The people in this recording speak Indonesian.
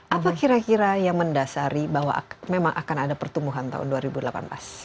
apa kira kira yang mendasari bahwa memang akan ada pertumbuhan tahun dua ribu delapan belas